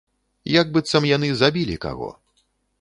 Як быццам яны забілі каго.